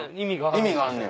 意味があんねや。